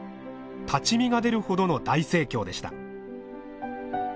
立ち見が出るほどの大盛況でした。